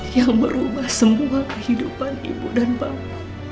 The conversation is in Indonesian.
yang merubah semua kehidupan ibu dan bapak